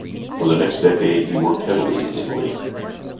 For the next decade he worked heavily in Italy.